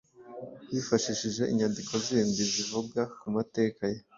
wifashishije inyandiko zindi zivuga ku mateka ye.